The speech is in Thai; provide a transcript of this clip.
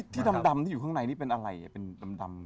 ที่ดำที่อยู่ข้างในนี่เป็นอะไรเป็นดำ